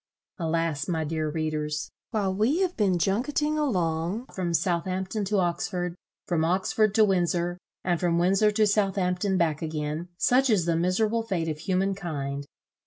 Alas, my dear readers! while we have been junketting along from Southampton to Oxford, from Oxford to Windsor, and from Windsor to Southampton back again, such is the miserable fate of human kind!